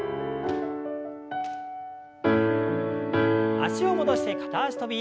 脚を戻して片脚跳び。